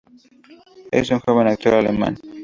Es un joven actor alemán.